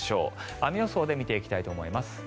雨予想で見ていきたいと思います。